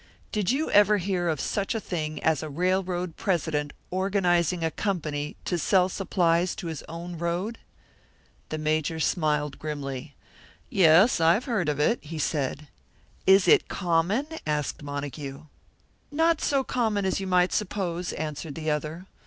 "Did you ever hear of such a thing as a railroad president organising a company to sell supplies to his own road?" The Major smiled grimly. "Yes, I have heard of it," he said. "Is it common?" asked Montague. "Not so common as you might suppose," answered the other.